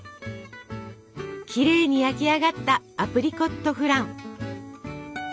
きれいに焼き上がったアプリコットフラン。